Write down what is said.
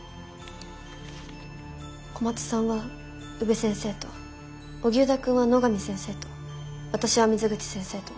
小松さんは宇部先生と荻生田くんは野上先生と私は水口先生と。